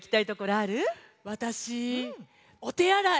わたしおてあらい！